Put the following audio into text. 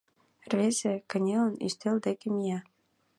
Рвезе, кынелын, ӱстел деке мия: